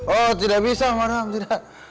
oh tidak bisa orang tidak